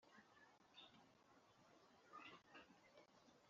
ubundi duhuze tube abahuza.